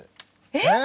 えっ！？